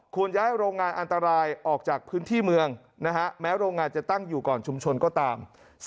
ย้ายโรงงานอันตรายออกจากพื้นที่เมืองนะฮะแม้โรงงานจะตั้งอยู่ก่อนชุมชนก็ตาม